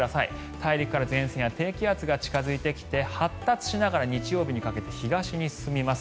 大陸から前線や低気圧が近付いてきて発達しながら日曜日にかけて東に進みます。